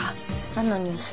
何のニュース？